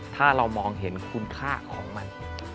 ถ้าเรามองเห็นคุณค่าของมัน